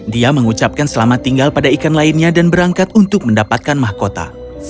dia mengucapkan selamat tinggal pada ikan lainnya dan berangkat untuk mendapatkan mahkota